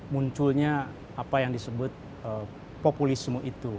munculnya apa yang disebut populisme itu